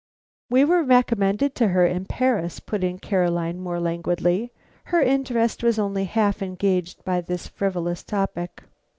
"We were recommended to her in Paris," put in Caroline, more languidly. Her interest was only half engaged by this frivolous topic.